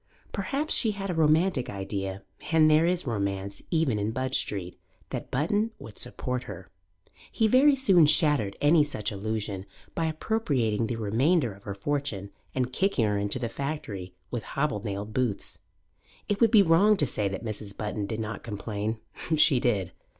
Perhaps she had a romantic idea and there is romance even in Budge Street that Button would support her. He very soon shattered any such illusion by appropriating the remainder of her fortune and kicking her into the factory with hobnailed boots. It would be wrong to say that Mrs. Button did not complain; she did.